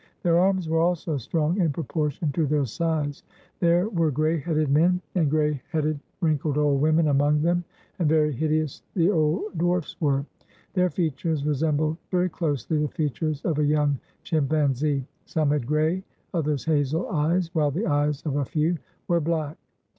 Their arms were also strong in propor tion to their size. There were gray headed men, and 416 THE VILLAGE OF DWARFS gray headed, wrinkled old women among them, and very hideous the old dwarfs were. Their features re sembled very closely the features of a young chimpan zee. Some had gray, others hazel eyes, while the eyes of a few were black.